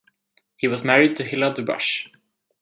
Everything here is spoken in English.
He was married to Hilla Dubash.